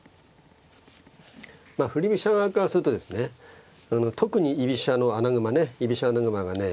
まあ振り飛車側からするとですね特に居飛車の穴熊ね居飛車穴熊がね